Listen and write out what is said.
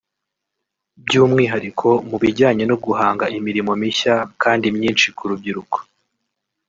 by’umwihariko mu bijyanye no guhanga imirimo mishya kandi myinshi ku rubyiruko